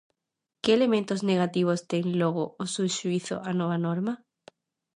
Que elementos negativos ten logo ao seu xuízo a nova norma...